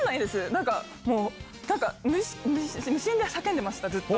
なんか、もう、なんか無心で叫んでました、ずっと。